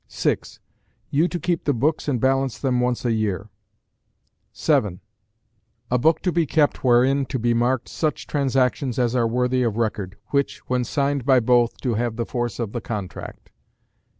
6. You to keep the books and balance them once a year. 7. A book to be kept wherein to be marked such transactions as are worthy of record, which, when signed by both, to have the force of the contract.